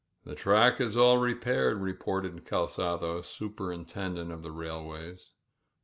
The track is all repaired," reported Calzado, Suj intendent of the Railways.